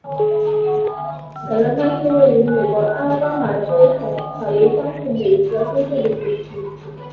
凯勒曼是位于美国阿拉巴马州塔斯卡卢萨县的一个非建制地区。